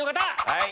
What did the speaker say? はい！